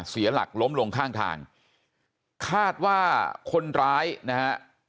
เสียหลักล้มลงข้างทางคาดว่าคนร้ายนะฮะ